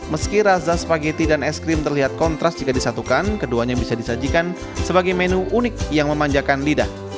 meski rasa spaghetti dan es krim terlihat kontras jika disatukan keduanya bisa disajikan sebagai menu unik yang memanjakan lidah